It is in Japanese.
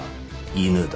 犬だ。